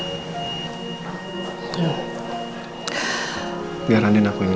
gimana kalau dia nyebut mbak andin today